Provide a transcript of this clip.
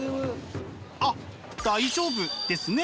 あっ大丈夫ですね。